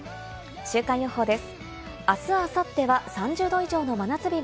週間予報です。